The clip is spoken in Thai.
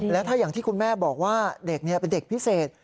และถ้าอย่างที่คุณแม่บอกว่าเด็กเป็นเด็กพิเศษ